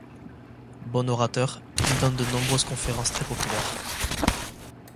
Bon orateur, il donne de nombreuses conférences très populaires.